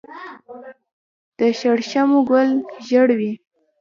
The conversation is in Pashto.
د شړشمو ګل ژیړ وي.